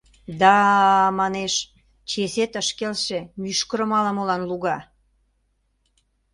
— Да, манеш, чесет ыш келше, мӱшкырым ала-молан луга...